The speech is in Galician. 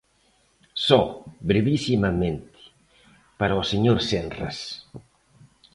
Só, brevisimamente, para o señor Senras.